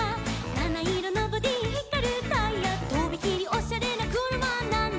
「なないろのボディひかるタイヤ」「とびきりオシャレなくるまなんだ」